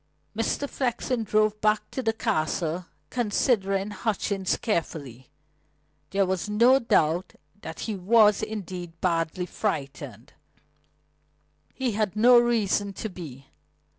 Mr. Flexen drove back to the Castle, considering Hutchings carefully. There was no doubt that he was, indeed, badly frightened; but he had reason to be.